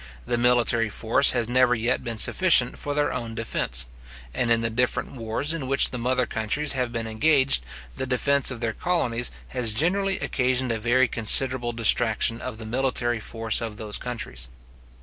The military force has never yet been sufficient for their own defence; and in the different wars in which the mother countries have been engaged, the defence of their colonies has generally occasioned a very considerable distraction of the military force of those countries.